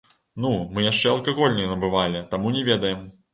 Ну, мы яшчэ алкаголь не набывалі, таму не ведаем.